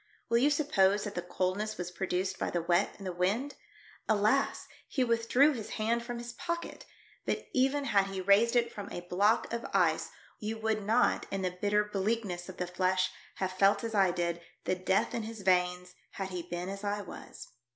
Will you suppose that the coldness was produced by the wet and the wind ? Alas ! he withdrew his hand from his pocket ; but, even had he raised it from a block of ice, you would not, in the bitter bleakness of the flesh, have felt, as I did, the death in his veins, had he been as I was.